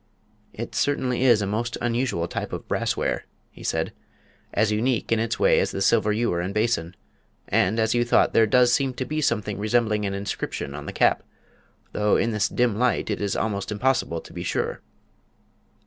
"It certainly is a most unusual type of brassware," he said, "as unique in its way as the silver ewer and basin; and, as you thought, there does seem to be something resembling an inscription on the cap, though in this dim light it is almost impossible to be sure."